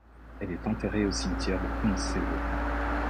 Elle est enterrée au cimetière de Kountsevo.